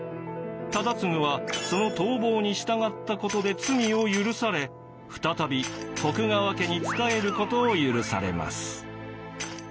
忠次はその逃亡に従ったことで罪を許され再び徳川家に仕えることを許されます。